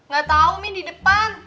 gak tau nih di depan